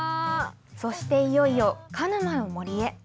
そしていよいよ、鹿沼の森へ。